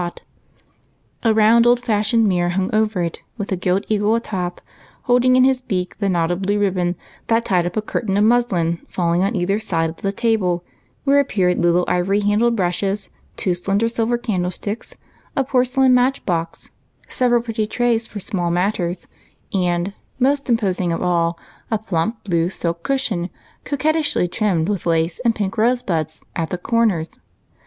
68 EIGHT COUSINS. A round old fashioned mirror hung over it, with a gilt eagle a top, holding in his beak the knot of blue ribbon that tied up a curtain of muslin falling on either side of the table, where appeared little ivory handled brushes, two slender silver candlesticks, a porcelain match box, several pretty trays for small matters, and, most imposing of all, a plump blue silk cushion, coquet tishly trimmed with lace, and pink rose buds at the corners.